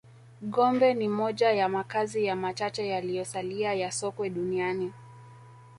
Gombe ni moja ya makazi ya machache yaliyosalia ya Sokwe duniani